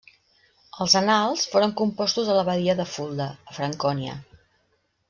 Els Annals foren compostos a l'abadia de Fulda, a Francònia.